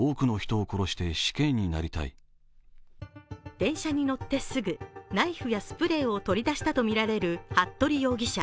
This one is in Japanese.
電車に乗ってすぐ、ナイフやスプレーを取り出したとみられる服部容疑者。